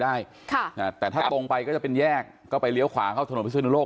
ได้ค่ะอ่าแต่ถ้าตรงไปก็จะเป็นแยกก็ไปเลี้ยวขวาเข้าถนนพิศนุโลก